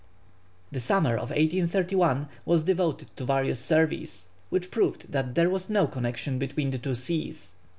The summer of 1831 was devoted to various surveys, which proved that there was no connexion between the two seas.